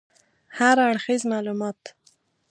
هراړخیز معلومات